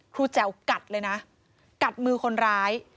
แจ๋วกัดเลยนะกัดมือคนร้าย